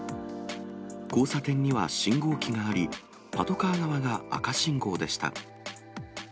交差点には信号機があり、パトカー側が赤信号でした。